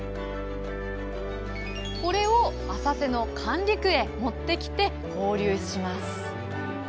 これを浅瀬の「管理区」へ持ってきて放流します。